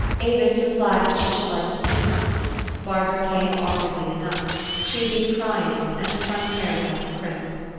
Avis replied that she should like to see her. Barbara came awkwardly enough. She had been crying, and her front hair was out of crimp.